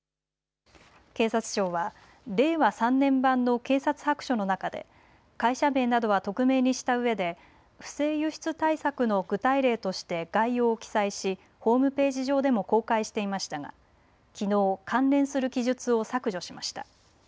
警察庁は令和３年版の警察白書の中で会社名などは匿名にしたうえで不正輸出対策の具体例として概要を記載しホームページ上でも公開していましたがきのう関連する記述を削除しました。